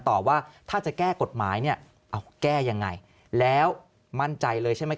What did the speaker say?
ต่อว่าถ้าจะแก้กฎหมายเนี่ยเอาแก้ยังไงแล้วมั่นใจเลยใช่ไหม